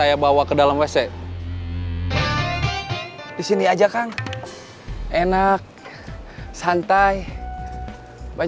tahu tapi enggak kenal